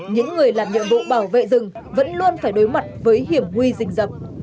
những người làm nhiệm vụ bảo vệ rừng vẫn luôn phải đối mặt với hiểm huy dịch dập